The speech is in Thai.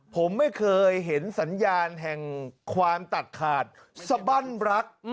ผมไม่เคยเห็นสัญญาณแห่งความตัดขาดสบั้นรัก